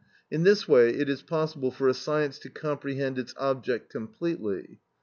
In this way it is possible for a science to comprehend its object completely.